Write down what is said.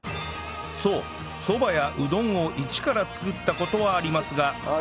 そばやうどんをイチから作った事はありますが